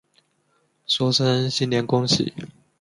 说声新年恭喜